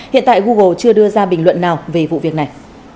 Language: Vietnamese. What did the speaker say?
hiện tại google chưa đưa ra bình luận nào về vụ việc này